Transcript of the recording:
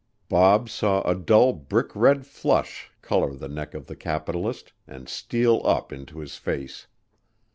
Bob saw a dull brick red flush color the neck of the capitalist and steal up into his face.